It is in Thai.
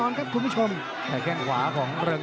วันที่๑๙ครับศึกเพชรวิทยาครับร่วมกับศึกวันทรงชัยไปดูได้เลย